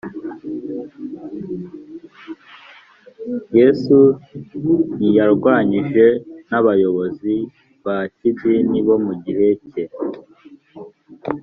yesu ntiyarwanyijwe n abayobozi ba kidini bo mu gihe cye